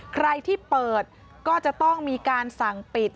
ใครที่เปิดก็จะต้องมีการสั่งปิด